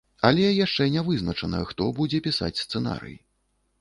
Але яшчэ не вызначана, хто будзе пісаць сцэнарый.